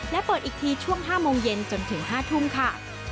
และเปิดอีกทีช่วง๕โมงเย็นจนถึง๕ทุ่มค่ะ